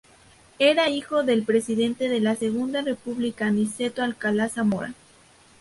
Era hijo del presidente de la Segunda República Niceto Alcalá-Zamora.